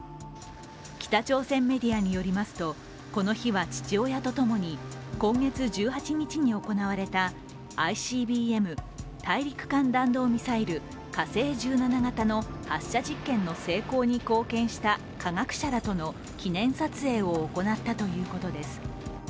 北朝鮮メディアによりますとこの日は父親と共に今月１８日に行われたＩＣＢＭ＝大陸間弾道ミサイル火星１７型の発射実験の成功に貢献した科学者らとの記念撮影を行ったということです。